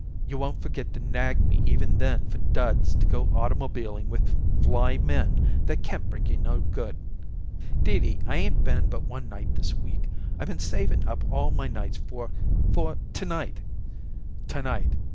You won't forget to nag me even then for duds to go automobiling with fly men that can't bring you no good." "Dee Dee, I 'ain't been but one night this week. I been saving up all my nights for for to night." "To night.